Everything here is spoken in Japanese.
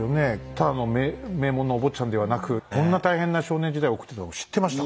ただの名門のお坊ちゃんではなくこんな大変な少年時代を送ってたこと知ってましたか？